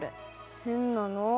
変なの。